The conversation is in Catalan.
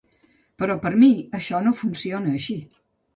Però per a mi, això no funciona així.